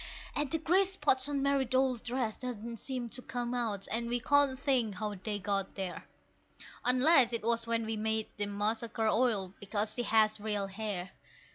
And the grease spots on Mary's doll's dress don't seem to come out, and we can't think how they got there; Unless it was when we made that Macassar oil, because she has real hair.